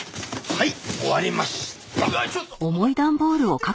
はい？